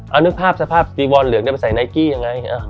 เอานึกภาพสภาพจีวอนเหลืองไปใส่ไกี้ยังไง